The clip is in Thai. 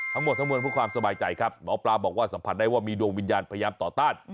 ทั้งหมดทั้งมวลเพื่อความสบายใจครับหมอปลาบอกว่าสัมผัสได้ว่ามีดวงวิญญาณพยายามต่อต้าน